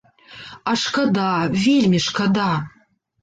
А шкада, вельмі шкада!